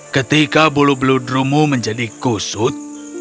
ketika bulu bulu drummu menjadi kusut